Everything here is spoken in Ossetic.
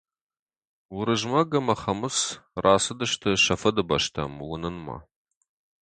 Уырызмӕг ӕмӕ Хӕмыц рацыдысты сӕ фыды бӕстӕм уынынмӕ.